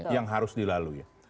yang harus dilalui